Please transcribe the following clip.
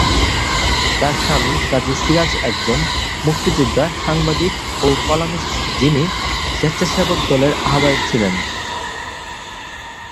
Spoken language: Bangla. তার স্বামী কাজী সিরাজ একজন মুক্তিযোদ্ধা, সাংবাদিক ও কলামিস্ট যিনি স্বেচ্ছাসেবক দলের আহ্বায়ক ছিলেন।